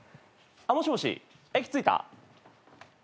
もしもし駅着いた？